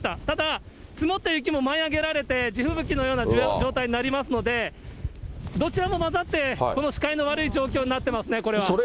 ただ、積もった雪も舞い上げられて、地吹雪のような状態になりますので、どちらも交ざって、この視界の悪い状況になってますね、これは。